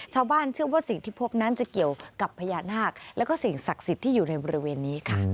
ชาวบ้านเชื่อว่าสิ่งที่พบนั้นจะเกี่ยวกับพญานาคแล้วก็สิ่งศักดิ์สิทธิ์ที่อยู่ในบริเวณนี้ค่ะ